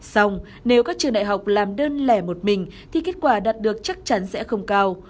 xong nếu các trường đại học làm đơn lẻ một mình thì kết quả đạt được chắc chắn sẽ không cao